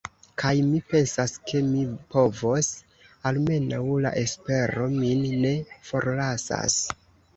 Kaj mi pensas, ke mi povos, almenaŭ la espero min ne forlasas.